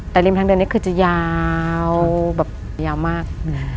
แต่ริมทางเดินนี้คือจะยาวแบบยาวมาก